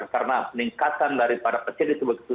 karena peningkatan dari para peserta itu begitu